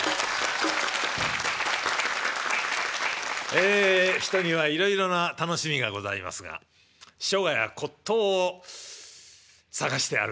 え人にはいろいろな楽しみがございますが書画や骨とうを探して歩く